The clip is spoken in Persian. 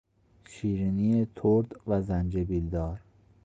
شیرینی ترد و زنجبیل دار